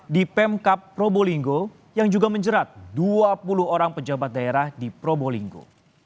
di pemkap probolinggo yang juga menjerat dua puluh orang pejabat daerah di probolinggo